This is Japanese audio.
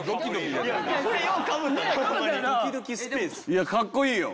いやかっこいいよ。